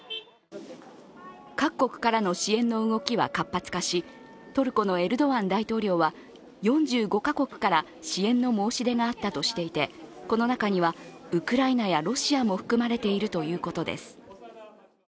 各国からの支援の動きは活発化し、トルコのエルドアン大統領は４５か国から支援の申し出があったとしていてこの中には、ウクライナやロシアも含まれているということです。